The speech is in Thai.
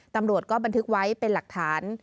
ตำรวจก็บันทึกไว้เป็นหลักฐาน